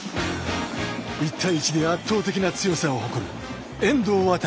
１対１で圧倒的な強さを誇る遠藤航。